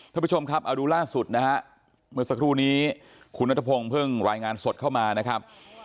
ท่านผู้ชมครับเอาดูล่าสุดนะฮะเมื่อสักครู่นี้คุณนัทพงศ์เพิ่งรายงานสดเข้ามานะครับ